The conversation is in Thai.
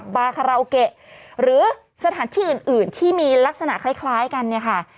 คาราโอเกะหรือสถานที่อื่นที่มีลักษณะคล้ายกันเนี่ยค่ะ